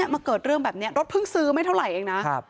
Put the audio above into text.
มาเกิดเรื่องแบบนี้รถเพิ่งซื้อไม่เท่าไหร่เองนะ